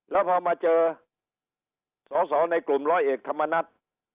แล้วพอมาเจอสอสอในกลุ่มร้อยเอกธรรมนัฐ